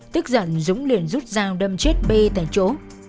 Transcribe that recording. tức giận dũng liền rút rào đâm chết bê tại chỗ